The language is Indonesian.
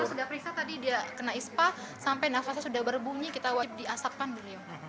kita sudah periksa tadi dia kena ispa sampai nafasnya sudah berbunyi kita wajib di asapkan dulu ya